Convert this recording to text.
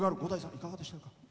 いかがでしたか？